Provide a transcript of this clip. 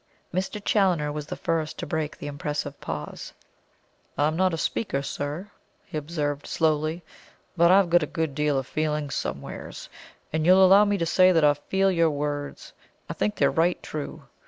Mr. Challoner was the first to break the impressive pause. "I'm not a speaker, sir," he observed slowly, "but I've got a good deal of feeling somewheres; and you'll allow me to say that I feel your words I think they're right true.